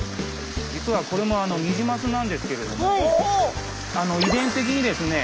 実はこれもニジマスなんですけれども遺伝的にですね